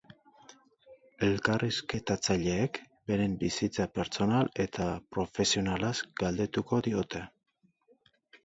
Elkarrizketatzaileek bere bizitza pertsonal eta profesionalaz galdetuko diote.